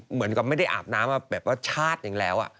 เหมือนกับไม่ได้อาบน้ำมาแบบว่าชาติหนึ่งแล้ว